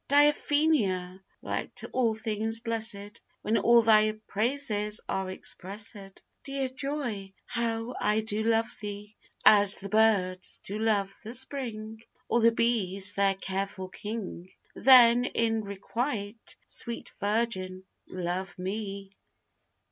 Diaphenia, like to all things blessèd, When all thy praises are expressèd, Dear joy, how I do love thee! As the birds do love the spring, Or the bees their careful king: Then, in requite, sweet virgin, love me!